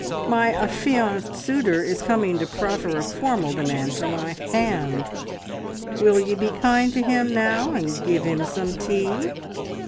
My affianced suitor is coming to proffer a formal demand for my hand. Will ye be kind to him now, and give him some tea?"